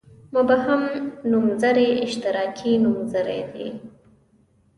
مبهم نومځري اشتراکي نومځري دي.